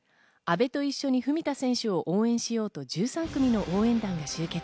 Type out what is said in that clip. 一緒に文田選手を応援しようと１３組の応援団が集結。